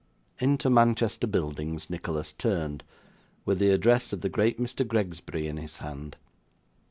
Into Manchester Buildings Nicholas turned, with the address of the great Mr. Gregsbury in his hand.